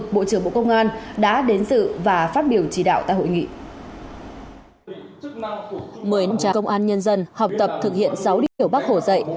mới trả công an nhân dân học tập thực hiện sáu điểu bác hồ dạy